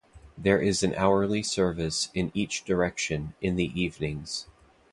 There is an hourly service in each direction in the evenings.